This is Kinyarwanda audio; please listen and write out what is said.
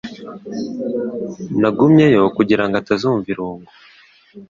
Nagumyeyo kugirango atazumva irungu